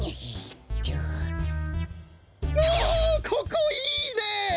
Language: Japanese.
ここいいね！